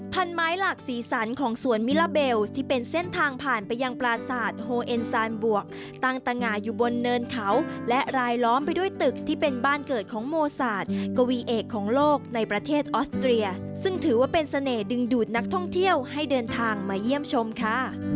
พันไม้หลากสีสันของสวนมิลาเบลที่เป็นเส้นทางผ่านไปยังปราศาสตร์โฮเอ็นซานบวกตั้งตะงาอยู่บนเนินเขาและรายล้อมไปด้วยตึกที่เป็นบ้านเกิดของโมศาสตร์กวีเอกของโลกในประเทศออสเตรียซึ่งถือว่าเป็นเสน่หดึงดูดนักท่องเที่ยวให้เดินทางมาเยี่ยมชมค่ะ